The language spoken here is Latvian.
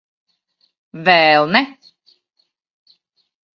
Vēl ne.